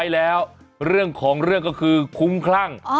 เล่าของเรื่องคือคุ้มครั่ง